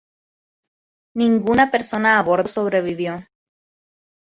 Ninguna persona a bordo sobrevivió.